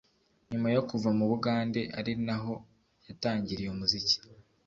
nyuma yo kuva mu Bugande ari naho yatangiriye umuziki